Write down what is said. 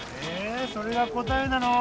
それが答えなの？